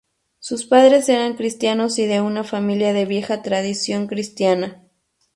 Sus padres eran cristianos y de una familia de vieja tradición cristiana.